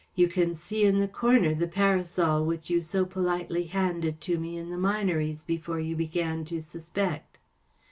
44 You can see in the comer the parasol which you so politely handed to me in the Minories before you began to suspect.